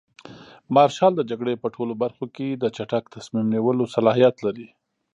مارشال د جګړې په ټولو برخو کې د چټک تصمیم نیولو صلاحیت لري.